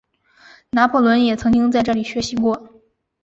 拿破仑也曾经在这里学习过。